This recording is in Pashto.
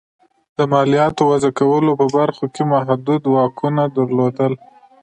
د مالیاتو وضعه کولو په برخو کې محدود واکونه درلودل.